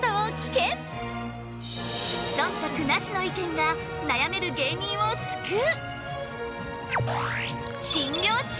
そんたくなしの意見が悩める芸人を救う！